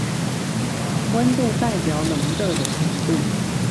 溫度代表冷熱的程度